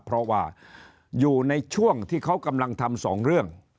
เพราะว่าอยู่ในช่วงที่เขากำลังทำสองเรื่อง